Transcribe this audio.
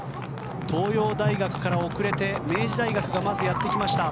東洋大学から遅れて明治大学がまずやってきました。